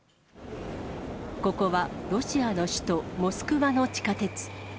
ここはロシアの首都モスクワの地下鉄。